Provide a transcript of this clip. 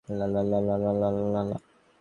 সে অন্য সব মেয়েদের মতো হল না কেন?